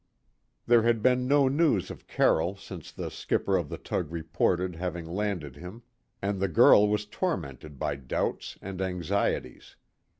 There had been no news of Carroll since the skipper of the tug reported having landed him, and the girl was tormented by doubts and anxieties.